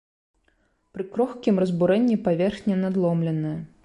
Пры крохкім разбурэнні паверхня надломленая.